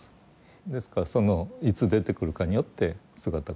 ですからそのいつ出てくるかによって姿形の在り方も違う。